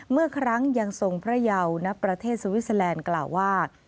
เมื่อครั้งยังทรงพระยาวณประเทศสวิสเตอร์แลนด์กล่าวว่า